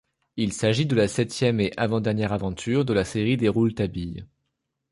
Il s'agit de la septième et avant-dernière aventure de la série des Rouletabille.